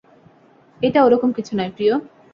এইটা ওরকম কিছু নয়, প্রিয়।